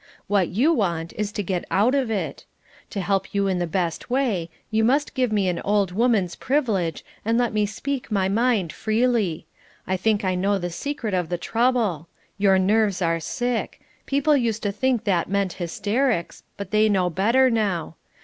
What you want is to get out of it. To help you in the best way, you must give me an old woman's privilege, and let me speak my mind freely. I think I know the secret of the trouble. Your nerves are sick people used to think that meant hysterics, but they know better now.